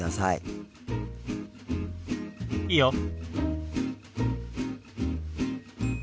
いいよ。